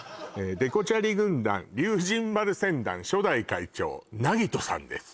デコチャリ軍団「龍神丸船団」初代会長なぎとさんです